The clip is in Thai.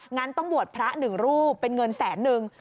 งั้นต้องบวชพระหนึ่งรูปเป็นเงินแสนนึง